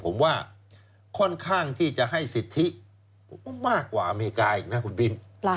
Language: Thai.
ผมว่าค่อนข้างที่จะให้สิทธิมากกว่าอเมริกาอีกนะคุณบิน